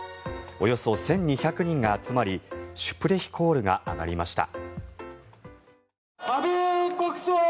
およそ１２００人が集まりシュプレヒコールが上がりました。